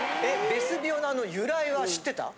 ベスビオのあの由来は知ってた？